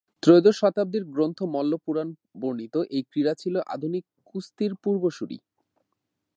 ত্রয়োদশ শতাব্দীর গ্রন্থ মল্ল পুরাণ বর্ণিত এই ক্রীড়া ছিল আধুনিক কুস্তির পূর্বসূরী।